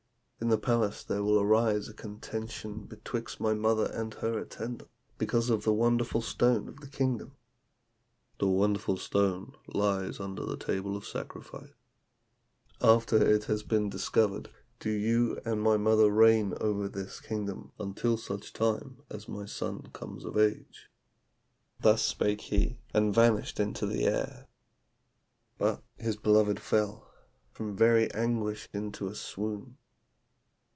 In the palace there will arise a contention betwixt my mother and her attendants, because of the wonderful stone of the kingdom. The wonderful stone lies under the table of sacrifice. After it has been discovered, do you and my mother reign over this kingdom until such time as my son comes of age.' "Thus spake he, and vanished into air. But his beloved fell, from very anguish, into a swoon.